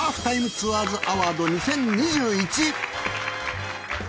ツアーズアワード２０２１